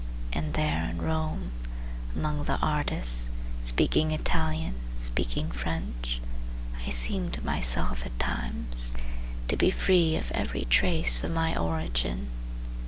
And there in Rome, among the artists, Speaking Italian, speaking French, I seemed to myself at times to be free Of every trace of my origin.